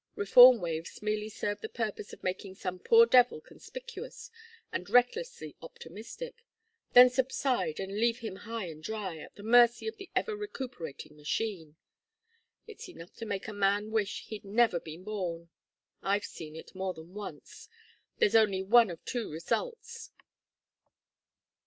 Reform waves merely serve the purpose of making some poor devil conspicuous and recklessly optimistic, then subside and leave him high and dry at the mercy of the ever recuperating machine. It's enough to make a man wish he'd never been born. I've seen it more than once. There's only one of two results.